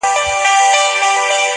څرخ یې وخوړ او کږه سوه ناببره.!